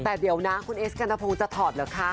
แต่เดี๋ยวนะคุณเอสกัณฑพงศ์จะถอดเหรอคะ